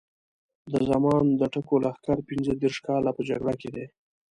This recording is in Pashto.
د زمان د ټکو لښکر پینځه دېرش کاله په جګړه کې دی.